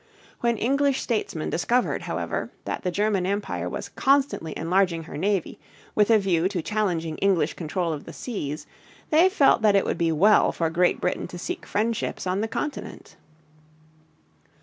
When English statesmen discovered, however, that the German Empire was constantly enlarging her navy with a view to challenging English control of the seas, they felt that it would be well for Great Britain to seek friendships on the Continent.